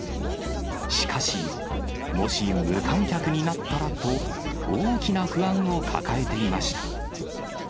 しかし、もし無観客になったらと、大きな不安を抱えていました。